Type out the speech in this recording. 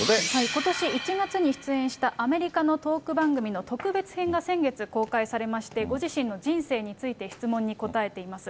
ことし１月に出演したアメリカのトーク番組の特別編が先月公開されまして、ご自身の人生について質問に答えています。